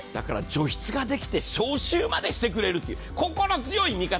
除湿ができて消臭までしてくれる、心強い味方。